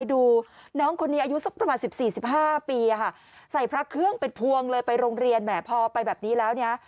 ดูน้องคนนี้อายุสักประมาณสิบสี่สิบห้าปีอ่ะค่ะใส่พระเครื่องเป็นพวงเลยไปโรงเรียนแหมพอไปแบบนี้แล้วเนี่ย